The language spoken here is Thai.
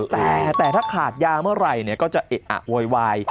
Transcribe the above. แต่ถ้าขาดยาเมื่อไหร่เนี่ยก็จะเอ๊ะโว๊ย